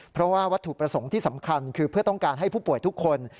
เพราะว่าวัตถุประสงค์ที่สำคัญคือเพื่อต้องการให้ผู้ป่วยทุกคน